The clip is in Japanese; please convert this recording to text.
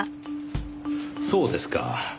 そうですか。